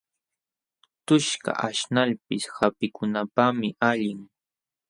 Tuqushkaq aśhnalpis hampikunapaqmi allin.